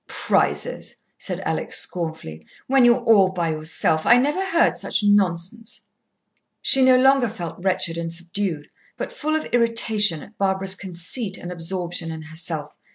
"Prizes!" said Alex scornfully. "When you're all by yourself! I never heard such nonsense." She no longer felt wretched and subdued, but full of irritation at Barbara's conceit and absorption in herself.